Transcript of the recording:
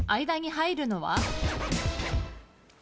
間に入るのは？